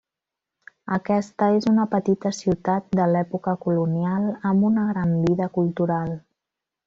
Aquesta és una petita ciutat de l'època colonial amb una gran vida cultural.